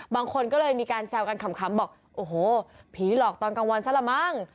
บางคนก็เลยมีการแซวกันขำบอกโอ้โหผีหลอกตอนกลางวันซะละมั้ง